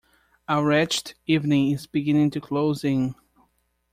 A wretched evening is beginning to close in.